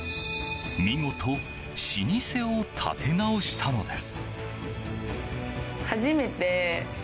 見事、老舗を立て直したのです。